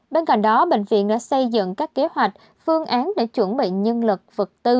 bên cạnh đó bệnh viện đã xây dựng các kế hoạch phương án để chuẩn bị nhân lực vật tư